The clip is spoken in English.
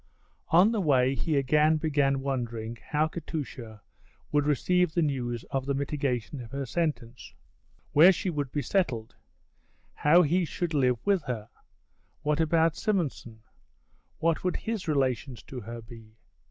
On the way he again began wondering how Katusha would receive the news of the mitigation of her sentence. Where she would be settled? How he should live with her? What about Simonson? What would his relations to her be?